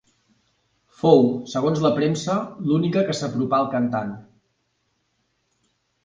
Fou, segons la premsa, l'única que s'apropà al cantant.